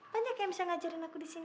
banyak yang bisa ngajarin aku disini